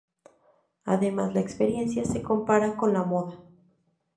Además, la experiencia se compara con la moda.